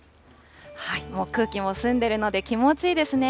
もう空気も澄んでいるので、気持ちいいですね。